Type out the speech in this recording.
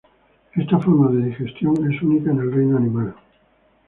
Esta forma de digestión es única en el reino animal.